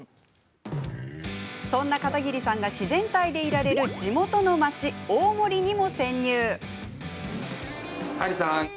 そんな片桐さんが自然体でいられる地元の町大森にも潜入。